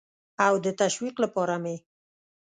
او د تشویق لپاره مې